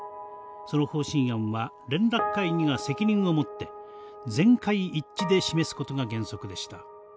その方針案は連絡会議が責任を持って全会一致で示すことが原則でした。